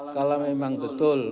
kalau memang betul